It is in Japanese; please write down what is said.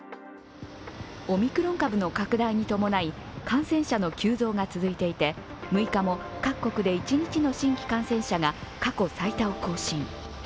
オミクロン株の拡大に伴い、感染者の急増が続いていて６日も各国で一日の新規感染者が過去最多を更新。